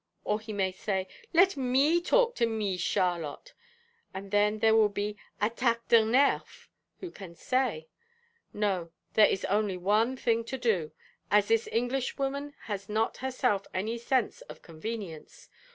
Or he may say: 'Let me talk to Mees Charlotte,' and then there will be attaques de nerfs who can say? No, there is only one thing to do: as this Englishwoman has not herself any sense of 'convenience.'